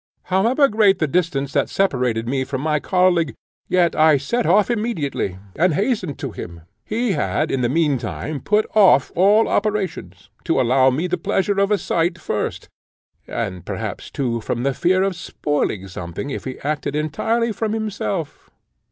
"However great the distance that separated me from my colleague, yet I set off immediately, and hastened to him. He had in the meantime put off all operations, to allow me the pleasure of a sight first; and perhaps, too, from the fear of spoiling something if he acted entirely from himself.